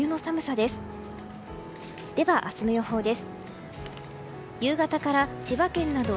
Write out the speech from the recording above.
では明日の予報です。